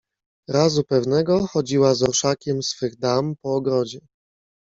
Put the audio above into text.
"Razu pewnego chodziła z orszakiem swych dam po ogrodzie."